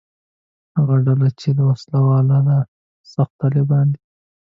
هغه ډله چې وسله واله ده «سخت طالبان» دي.